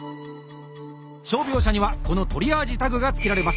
傷病者にはこのトリアージ・タッグが付けられます。